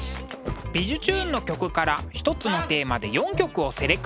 「びじゅチューン！」の曲から一つのテーマで４曲をセレクト。